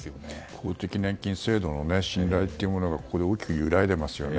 公的年金制度の信頼が大きく揺らいでていますよね。